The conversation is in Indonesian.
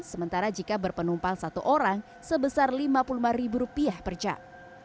sementara jika berpenumpang satu orang sebesar lima puluh lima ribu rupiah per jam